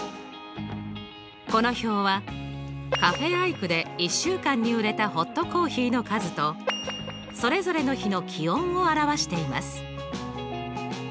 この表はカフェ・アイクで１週間に売れたホットコーヒーの数とそれぞれの日の気温を表しています。